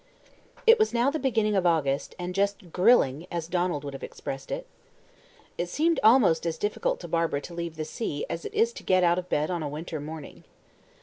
It was now the beginning of August, and just "grilling," as Donald would have expressed it. It seemed almost as difficult to Barbara to leave the sea as it is to get out of bed on a winter morning.